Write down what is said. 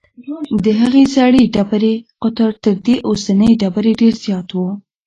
د هغې زړې ډبرې قطر تر دې اوسنۍ ډبرې ډېر زیات و.